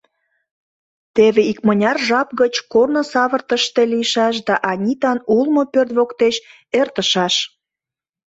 Теве икмыняр жап гыч корно савыртыште лийшаш да Анитан улмо пӧрт воктеч эртышаш.